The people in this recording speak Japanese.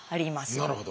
なるほど。